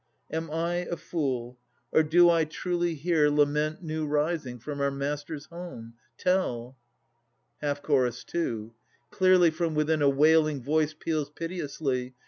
Am I a fool, or do I truly hear Lament new rising from our master's home? Tell! CH. 2. Clearly from within a wailing voice Peals piteously.